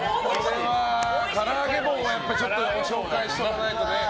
からあげ棒は紹介しておかないとね。